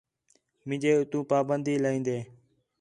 مینجے اُتّوں پابندی لائین٘دے